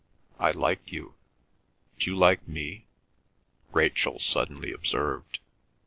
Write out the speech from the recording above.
"I like you; d'you like me?" Rachel suddenly observed.